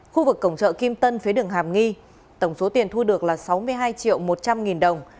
khu vực cổng chợ kim tân phía đường hàm nghi tổng số tiền thu được là sáu mươi hai triệu một trăm linh nghìn đồng